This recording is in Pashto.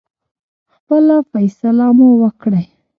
خپله فیصله مو وکړی.